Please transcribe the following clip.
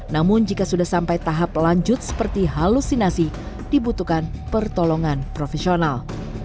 namun jika sudah sampai tahap lanjut seperti halusinasi dibutuhkan pertolongan profesional